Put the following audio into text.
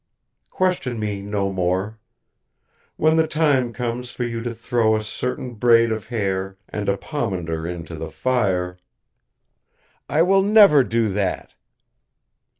Question me no more. When the time comes for you to throw a certain braid of hair and a pomander into the fire " "I will never do that!"